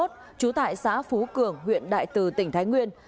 trú tại xã phú cường huyện đại từ tỉnh thái nguyên